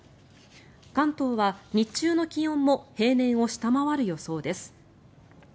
関東は、日中の気温も平年を下回る予想です。